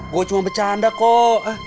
gue cuma bercanda kok